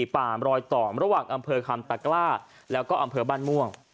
ป่ามรอยต่อระหว่างอำเภอคำตะกล้าแล้วก็อำเภอบ้านม่วง